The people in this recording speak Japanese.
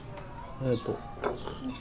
ありがとう。